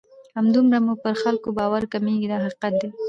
همدومره مو پر خلکو باور کمیږي دا حقیقت دی.